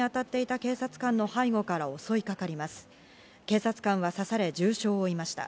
警察官は刺され重傷を負いました。